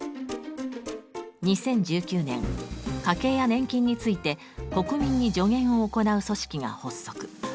２０１９年家計や年金について国民に助言を行う組織が発足。